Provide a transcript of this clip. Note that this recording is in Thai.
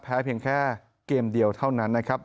เพียงแค่เกมเดียวเท่านั้นนะครับ